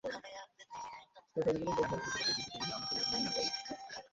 কেননা প্রতিবার এই দিনটিতে উনি আমাকে এখানে নিয়ে আসতেন।